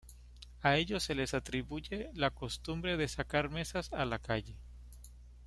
A ellos se les atribuye la costumbre de sacar mesas a la calle.